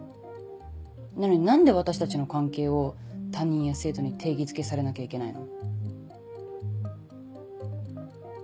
なのに何で私たちの関係を他人や制度に定義づけされなきゃいけないの？